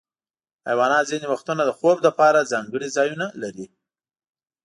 حیوانات ځینې وختونه د خوب لپاره ځانګړي ځایونه لري.